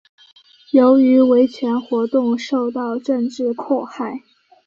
由于维权活动受到政治迫害。